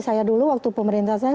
saya dulu waktu pemerintah saya